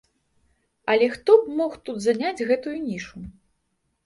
Але хто б мог тут заняць гэтую нішу?